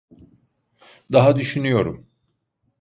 Daha düşünüyorum